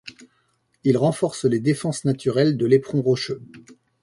Il renforce les défenses naturelles de l'éperon rocheux.